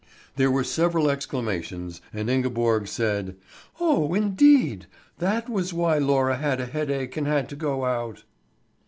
There were several exclamations, and Ingeborg said: "Oh indeed! That was why Laura had a headache and had to go out!"